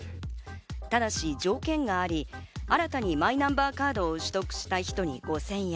ただし条件があり、新たにマイナンバーカードを取得した人に５０００円。